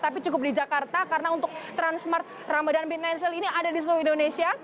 tapi cukup di jakarta karena untuk transmart ramadan midnight sale ini ada di seluruh indonesia